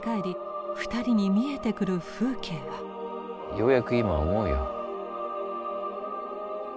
ようやく今思うよ。